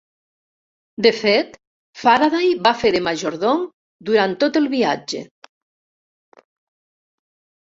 De fet, Faraday va fer de majordom durant tot el viatge.